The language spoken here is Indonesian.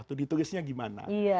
itu ditulisnya gimana